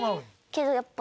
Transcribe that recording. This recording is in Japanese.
けどやっぱ。